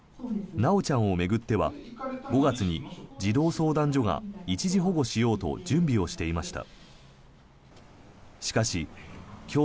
修ちゃんを巡っては５月に児童相談所が一時保護しようと準備をしていました。